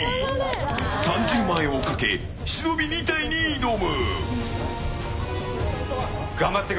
３０万円をかけ、忍２体に挑む。